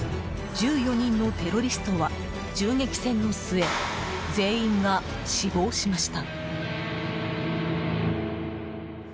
１４人のテロリストは銃撃戦の末全員が死亡しました。